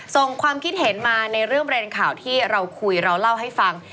ความคิดเห็นมาในเรื่องประเด็นข่าวที่เราคุยเราเล่าให้ฟัง